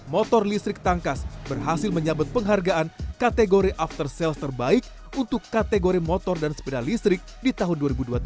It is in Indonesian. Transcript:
motor listrik tangkas berhasil menyabet penghargaan kategori after sales terbaik untuk kategori motor dan sepeda listrik di tahun dua ribu dua puluh tiga